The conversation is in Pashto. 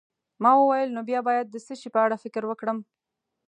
ما وویل: نو بیا باید د څه شي په اړه فکر وکړم؟